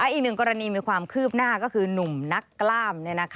อีกหนึ่งกรณีมีความคืบหน้าก็คือหนุ่มนักกล้าม